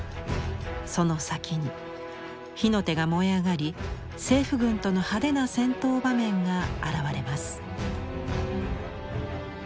その先に火の手が燃え上がり政府軍との派手な戦闘場面が現れます。